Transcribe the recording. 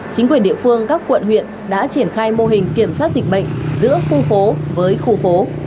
chính quyền địa phương các quận huyện đã triển khai mô hình kiểm soát dịch bệnh giữa khu phố với khu phố